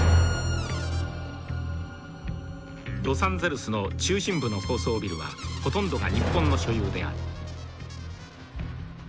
「ロサンゼルスの中心部の高層ビルはほとんどが日本の所有である」。